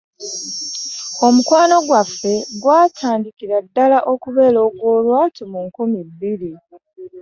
Omukwano gwaffe gwatandikira ddala okubeera ogw'olwatu mu nkumi bbiri